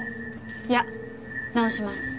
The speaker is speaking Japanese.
いや直します。